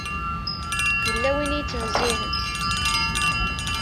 Yella win i yettnezzihen.